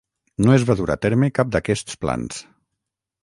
No es va dur a terme cap d'aquests plans.